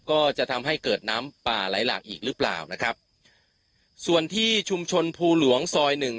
ก็จะทำให้เกิดน้ำป่าไหลหลากอีกหรือเปล่านะครับส่วนที่ชุมชนภูหลวงซอยหนึ่ง